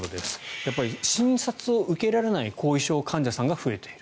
やっぱり診察を受けられない後遺症患者さんが増えている。